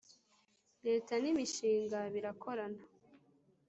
Leta n ‘imishinga birakorana.